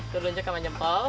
terlunjuk sama jempol